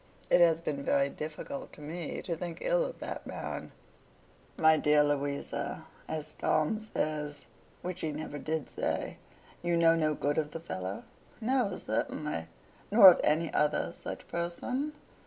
'It has been very difficult to me to think ill of that man.' 'My dear Louisa—as Tom says.' Which he never did say. 'You know no good of the fellow?' 'No, certainly.' 'Nor of any other such person?